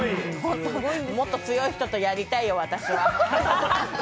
もっと強い人とやりたいよ、私は。